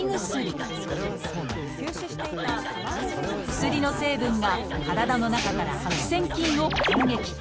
薬の成分が体の中から白癬菌を攻撃。